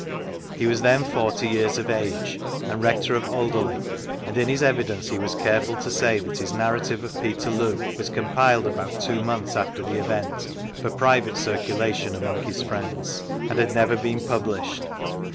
He was then forty years of age, and Rector of Alderley, and in his evidence he was caieful to say that his narrative of Peterloo was compiled about two months after the event, for private circulation among his friends, and had never been published.